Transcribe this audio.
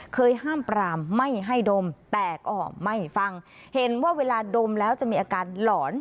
ห้ามปรามไม่ให้ดมแต่ก็ไม่ฟังเห็นว่าเวลาดมแล้วจะมีอาการหลอน